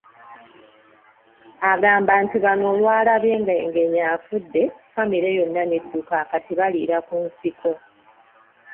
Agamba nti bano olwalabye nga Engenyi afudde, famire yonna n'edduka kati baliira ku nsiko.